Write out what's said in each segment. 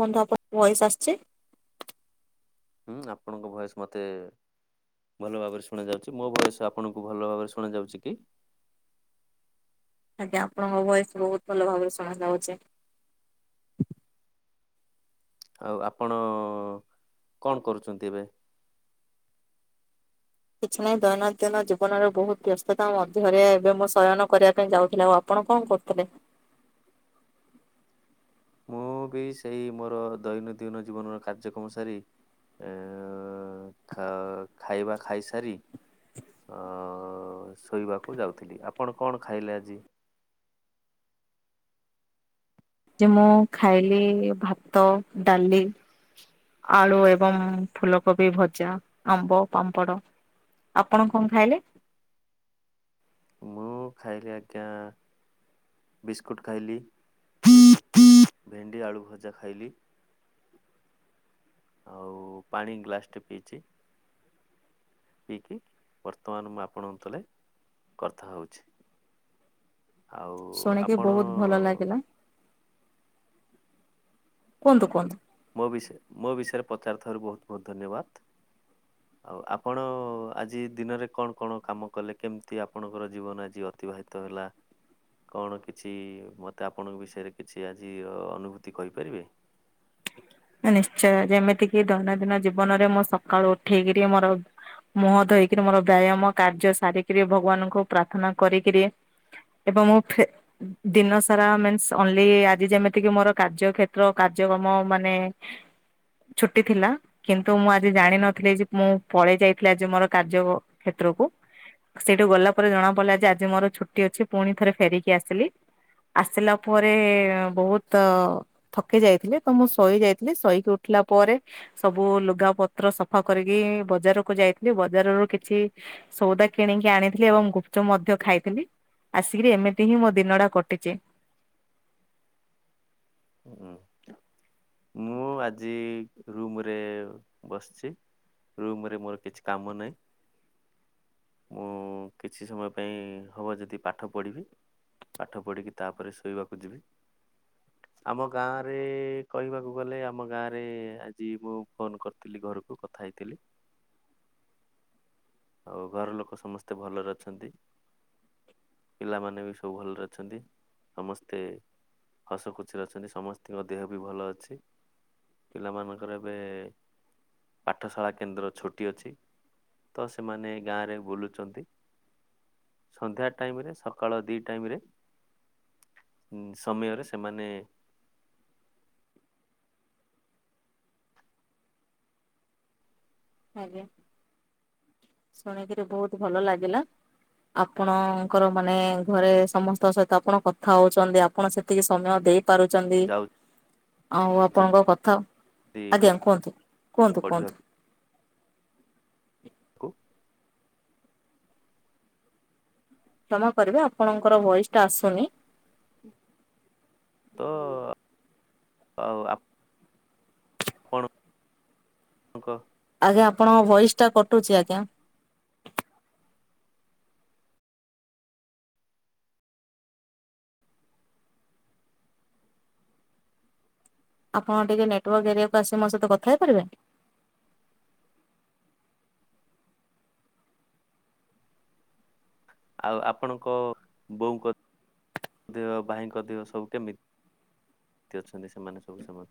ବନ୍ଧ ଆପଣ ଭଏସ ଆସଚି। ହୁଁ ଆପଣଙ୍କ ଭୟସ ମତେ ଭଲ ଭାବରେ ଶୁଣାଯାଉଛି ମୋ ବୟସ ଆପଣଙ୍କୁ ଭଲ ଭାବରେ ଶୁଣାଯାଉଛି କି? ଆଜ୍ଞା ଆପଣଙ୍କ ଭଏସ ବହୁତ ଭଲ ଭାବରେ ଶୁଣାଯାଉଚି। ଆଉ ଆପଣ କଣ କରୁଛନ୍ତି ଏବେ? କିଛି ନାହିଁ ଦୈନନ୍ଦିନ ଜୀବନରେ ବହୁତ ବ୍ୟସ୍ତତା ମଧ୍ୟରେ ଏବେ ମୁଁ ଶୟନ କରିବା ପାଇଁ ଯାଉଥିଲି ଆଉ ଆ ଆପଣ କଣ କରୁଥିଲେ। ମୁଁ ବି ସେଇ ମୋର ଦୈନନ୍ଦିନ ଜୀବନର କାର୍ଯ୍ୟକ୍ରମ ସାରି ଏ ଖ ଖାଇବା ଖାଇସାରି ଅ ଶୋଇବାକୁ ଯାଉଥିଲି ଆପଣ କଣ ଖାଇଲେ ଆଜି। ଯେ ମୁଁ ଖାଇଲି ଭାତ ଡାଲି ଆଳୁ ଏବଂ ଫୁଲକୋବି ଭଜା ଆମ୍ବ ପାମ୍ପଡ଼ ଆପଣ କଣ ଖାଇଲେ? କଉ ଖାଇଲି ଆଜ୍ଞା। ବିସ୍କୁଟ୍ ଖାଇଲି ଭେଣ୍ଡି ଆଳୁ ଭଜା ଖାଇଲି। ଆଉ ପାଣି ଗ୍ଲାସ ଟେ ପିଇଚି। ପିଇକି ବର୍ତ୍ତମାନ ମୁଁ ଆପଣଙ୍କ ତଲେ କଥା ହୋଉଚି। ଶୁଣିକି ଆପଣ ବହୁତ ଭଲ ଲାଗିଲା। କୁହନ୍ତୁ କୁହନ୍ତୁ। ମୋ ବିଷୟ ମୋ ବିଷୟରେ ପଚାରୁଥିବାରୁ ବହୁତ ବହୁତ ଧନ୍ୟବାଦ। ହ ଆଉ ଆପଣ ଆଜି ଦିନରେ କଣ କଣ କାମ କଲେ କେମିତି ଆପଣଙ୍କର ଜୀବନ ଆଜି ଅତିବାହିତ ତ ହେଲା। କଣ କିଛି ମୋତେ ଆପଣଙ୍କ ବିଷୟରେ କିଛି ଆଜି ଅନୁଭୂତି କହିପାରିବେ। ନିଶ୍ଚୟ ଯେମିତିକି ଦୈନନ୍ଦିନ ଜୀବନରେ ମୁଁ ସକାଳୁ ଉଠେଇକିରି ମୋର ମୁହଁ ଧୋଇକିରି ମୋର ବ୍ୟାୟାମ କାର୍ଯ୍ୟ ସାରିକିରି ଭଗବାନଙ୍କୁ ପ୍ରାର୍ଥନା କରିକିରି। ଏବଂ ମୋ ଫେ ଦିନ ସାରା ମିନ୍ସ ଓନ୍ଲି ଆଜି ଯେମିତିକି ମୋର କାର୍ଯ୍ୟକ୍ଷେତ୍ର କାର୍ଯ୍ୟକ୍ରମ ମାନେ ଛୁଟି ଥିଲା। କିନ୍ତୁ ମୁଁ ଆଜି ଜାଣିନଥିଲି ଯେ ମୁଁ ପଳେଇ ଯାଇଥିଲି ଆଜି ମୋର କାର୍ଯ୍ୟ କ୍ଷେତ୍ରକୁ। ସେଇଠୁ ଗଲା ପରେ ଜଣା ପଡିଲା ଯେ ଆଜି ମୋର ଛୁଟି ଅଛି ପୁଣି ଥରେ ଫେରିକି ଆସିଲି। ଆସିଲା ପରେ ବହୁତ ଥକି ଯାଇଥିଲି ତ ମୁଁ ଶୋଇ ଯାଇ ଥିଲି ଶୋଇକି ଉଠିଲା ପରେ। ସବୁ ଲୁଗା ପତ୍ର ସଫା କରିକି ବଜାରକୁୁ ଯାଇଥିଲି ବଜାରରୁ କିଛି ସଉଦା କିଣିକି ଆଣିଥିଲି ଏବଂ ଗୁପଚପ ମଧ୍ୟ ଖାଇଥିଲି। ଆସିକିରି ଏମିତି ହିଁ ମୋ ଦିନ ଟା କଟିଛି। ହୁଁ ମୁଁ ଆଜି ରୁମ ରେ ବସିଛି। ରୁମ ରେ ମୋର କିଛି କାମ ନାହିଁ। ମୁଁ କିଛି ସମୟ ପାଇଁ ହବ ଯଦି ପାଠ ପଢ଼ିବି। ପାଠ ପଢିକି ତାପରେ ଶୋଇବାକୁ ଯିବି। ଆମ ଗାଁ ରେ କହିବାକୁ ଗ ଗଲେ ଆମ ଗାଁ ରେ ଆଜି ମୁଁ ଫୋନ କରିଥିଲି ଘରକୁ କଥା ହେଇଥିଲି। ଆଉ ଘର ଲୋକ ସମସ୍ତେ ଭଲରେ ଅଛନ୍ତି। ପିଲାମାନେ ବି ସବୁ ଭଲରେ ଅଛନ୍ତି। ସମସ୍ତେ ହସ ଖୁସିରେ ଅଛନ୍ତି। ସମସ୍ତଙ୍କ ଦେହ ବି ଭଲ ଅଛି। ପିଲାମାନଙ୍କର ଏବେ ପାଠଶାଳା କେନ୍ଦ୍ର ଛୁଟି ଅଛି। ତ ସେମାନେ ଗାଁ ରେ ବୁଲୁଛନ୍ତି। ସନ୍ଧ୍ୟା ଟାଇମରେ ସକାଳ ଦୁଇ ଟାଇମରେ ଉ ସମୟରେ ସେମାନେ ଆଜ୍ଞା ଶୁଣିକିରି ବହୁତ ଭଲ ଲାଗିଲା। ଆପଣଙ୍କର ମାନେ ଘରେ ସମସ୍ତଙ୍କ ସହିତ ଆପଣ କଥା ହଉଛନ୍ତି। ଆପଣ ସେତିକି ସମୟ ଦେଇ ପାରୁଛନ୍ତି। ଆଉ ଆପଣଙ୍କ ଯାଉଛନ୍ତି କଥା ଆଜ୍ଞା କୁହନ୍ତୁ କୁହନ୍ତୁ ପଢିବାକୁ କୁହନ୍ତୁ। କୁ କ୍ଷମା କରିବେ ଆପଣଙ୍କର ଭଏସ ଟା ଆସୁନି। ତ ଆଉ ଆ ପଣଙ୍କ ଆଜ୍ଞା ଆପଣଙ୍କ ଭଏସ୍ ଟା କଟୁଛି ଆଜ୍ଞା। ଆପଣ ଟିକେ ନେଟୱାର୍କ ଏରିଆକୁ ଆସି ମୋ ସହିତ କଥା ହେଇପାରିବେ? ଆଉ ଆପଣଙ୍କ ବୋଉଙ୍କ ଦେହ, ଭାଇଙ୍କ ଦେହ ସବୁ କେମିତି ଅଛନ୍ତି? ସେମାନେ ସବୁ ସମ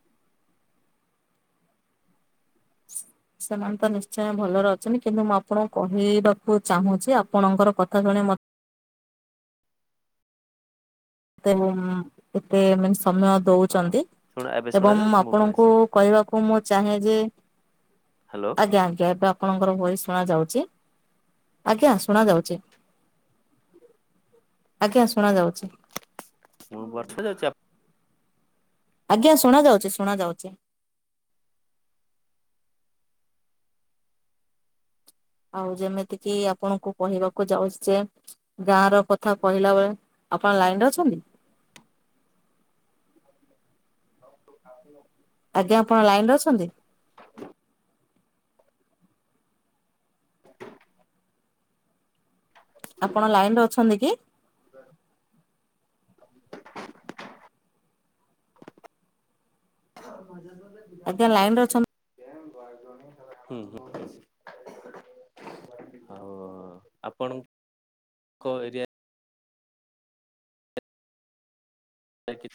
ସେମାନେ ତ ନିଶ୍ଚୟ ଭଲରେ ଅଛନ୍ତି କିନ୍ତୁ ମୁଁ ଆପଣଙ୍କୁ କହିବାକୁ ଚାହୁଁଛି ଆପଣଙ୍କର କଥା ଶୁଣି ମତେ ଏତେ ମ ଏତେ ମାନେ ସମୟ ହଁ ଦଉଛନ୍ତି ଶୁଣା ଏବେ ଶୁଣା ଏବଂ ଯାଉଛି ମୋ ଭଏସ ଆପଣଙ୍କୁ କହିବାକୁ ମୁଁ ଚାହେଁ ଯେ ହ୍ୟାଲୋ। ଆଜ୍ଞା ଆଜ୍ଞା ଏବେ ଆପଣଙ୍କର ଭଏସ ସୁନା ଯାଉଛି। ଆଜ୍ଞା ଶୁଣା ଯାଉଛି। ଆଜ୍ଞା ଶୁଣା ଯାଉଛି। ମୁଁ ବର୍ଷା ଯାଉଛି ଆ ଆଜ୍ଞା ଶୁଣା ଯାଉଛି ଶୁଣା ଯାଉଛି। ଆଉ ଯେମିତି କିି ଆପଣଙ୍କୁ କହିବାକୁ ଯାଉଛି ଯେ ଗାଁ ର କଥା କହିଲା ବେଳେ ଆପଣ ଲାଇନ ରେ ଅଛନ୍ତି? ଆଉ ଆଜ୍ଞା ଆପଣ ଲାଇନରେ ଅଛନ୍ତି? ଆପଣ ଲାଇନ ରେ ଅଛନ୍ତି କି? [unintelligible] [unintelligible] ଆଜ୍ଞା ଲାଇନ ରେ ଅଛନ୍ତି। ହୁଁ ହୁଁ ହଉ ଆପଣଙ୍କ ଏରିଆ ଆ କିି